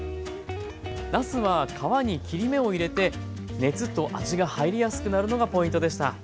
なすは皮に切り目を入れて熱と味が入りやすくなるのがポイントでした。